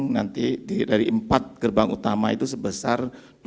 nanti dari empat gerbang utama itu sebesar